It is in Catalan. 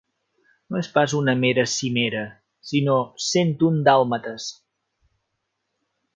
No és pas una mera cimera, sinó cent un dàlmates.